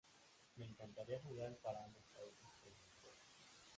Me encantaría jugar para ambos países, pero no puedo.